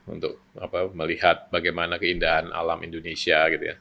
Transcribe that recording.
untuk melihat bagaimana keindahan alam indonesia gitu ya